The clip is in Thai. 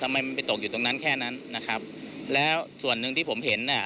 ทำไมมันไปตกอยู่ตรงนั้นแค่นั้นนะครับแล้วส่วนหนึ่งที่ผมเห็นน่ะ